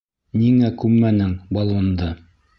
Ниңә күммәнең баллонды?